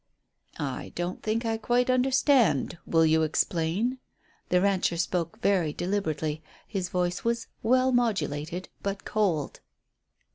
"I don't think I quite understand. Will you explain?" The rancher spoke very deliberately, his voice was well modulated but cold.